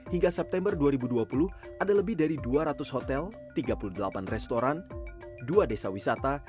hingga september dua ribu dua puluh ada lebih dari dua ratus hotel tiga puluh delapan restoran dua desa wisata